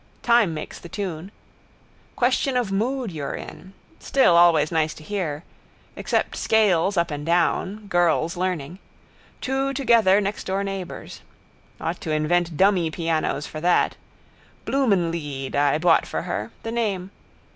Time makes the tune. Question of mood you're in. Still always nice to hear. Except scales up and down, girls learning. Two together nextdoor neighbours. Ought to invent dummy pianos for that. Blumenlied I bought for her. The name.